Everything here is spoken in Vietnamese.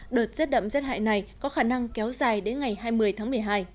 đợt giết đậm giết hại này có khả năng kéo dài đến ngày hai mươi tháng một mươi hai